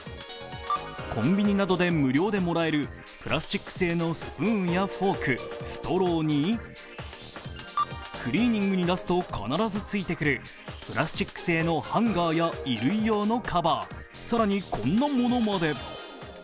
コンビニなどで無料でもらえるプラスチック製のスプーンやフォーク、ストローに、クリーニングに出すと必ずついてくるプラスチック製のハンガーや衣類用のカバー更にこんなものまで。